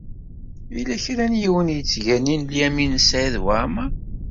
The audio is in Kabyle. Yella kra n yiwen i yettganin Lyamin n Saɛid Waɛmeṛ.